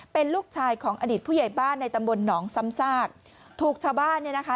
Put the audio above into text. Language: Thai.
เป็นลูกชายของอดีตผู้ใหญ่บ้านในตำบลหนองซ้ำซากถูกชาวบ้านเนี่ยนะคะ